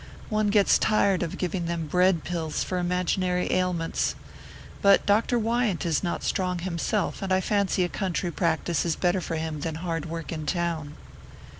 One gets tired of giving them bread pills for imaginary ailments. But Dr. Wyant is not strong himself and I fancy a country practice is better for him than hard work in town."